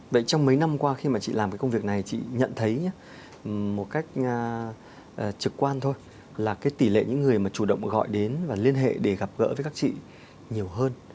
vậy trong mấy năm qua khi mà chị làm cái công việc này chị nhận thấy một cách trực quan thôi là cái tỷ lệ những người mà chủ động gọi đến và liên hệ để gặp gỡ với các chị nhiều hơn